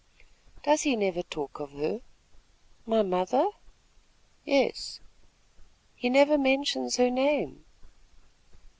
"Does he never talk of her?" "My mother?" "Yes." "He never mentions her name."